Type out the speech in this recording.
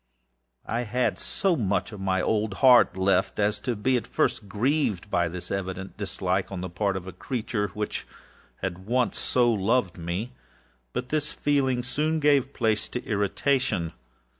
I had so much of my old heart left, as to be at first grieved by this evident dislike on the part of a creature which had once so loved me. But this feeling soon gave place to irritation.